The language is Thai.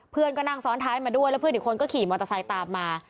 เพื่อนก็นั่งซ้อนท้ายมาด้วยแล้วเพื่อนอีกคนก็ขี่มอเตอร์ไซค์ตามมา